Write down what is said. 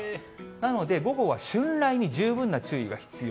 なので、午後は春雷に十分な注意が必要。